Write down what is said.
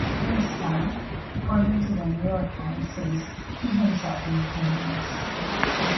Greenspan, according to the "New York Times", says he himself is blameless.